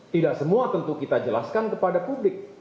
tidak semua tentu kita jelaskan kepada publik